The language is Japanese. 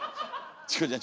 チコちゃん